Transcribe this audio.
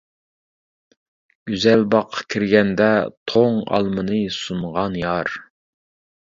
گۈزەل باغقا كىرگەندە، توڭ ئالمىنى سۇنغان يار.